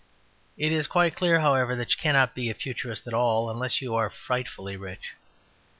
It is quite clear, however, that you cannot be a Futurist at all unless you are frightfully rich.